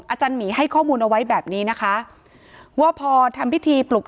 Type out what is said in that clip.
อาจารย์หมีให้ข้อมูลเอาไว้แบบนี้นะคะว่าพอทำพิธีปลุก